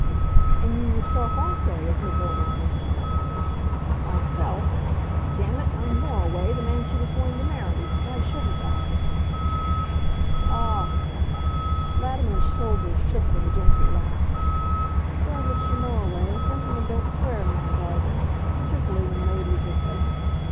"And you yourself also, as Miss Omar mentioned." "Myself? Damn it, I'm Moriway, the man she was going to marry. Why shouldn't I " "Ah h!" Latimer's shoulders shook with a gentle laugh. "Well, Mr. Moriway, gentlemen don't swear in my garden. Particularly when ladies are present.